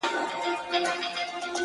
داسي کوټه کي یم چي چارطرف دېوال ته ګورم ‘